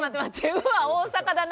「うわー大阪だな」